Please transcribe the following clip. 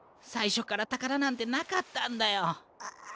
さいしょからたからなんてなかったんだよ。